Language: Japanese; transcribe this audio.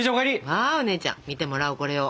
ああお姉ちゃん見てもらおうこれを。